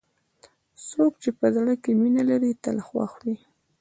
څوک چې په زړه کې مینه لري، تل خوښ وي.